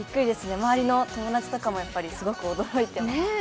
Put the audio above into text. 周りの友達とかも、すごく驚いてます。